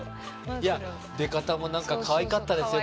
いや出方も何かかわいかったですよ。